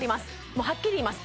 もうはっきり言います